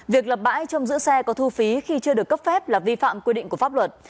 việc lập bãi trong giữ xe có thu phí khi chưa được cấp phép là vi phạm quy định của pháp luật